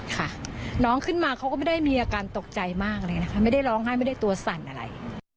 ค่ะน้องขึ้นมาเขาก็ไม่ได้มีอาการตกใจมากเลยนะคะไม่ได้ร้องไห้ไม่ได้ตัวสั่นอะไร